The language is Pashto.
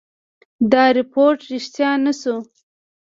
دا رپوټ ریشتیا نه شو.